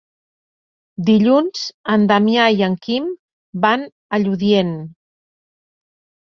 Dilluns en Damià i en Quim van a Lludient.